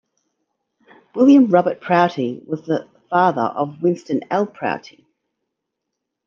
William Robert Prouty was the father of Winston L. Prouty.